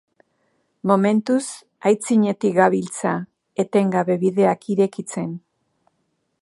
Momentuz aitzinetik gabiltza, etengabe bideak irekitzen.